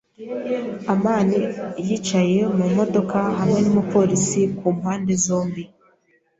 amani yicaye mu modoka hamwe n’umupolisi ku mpande zombi.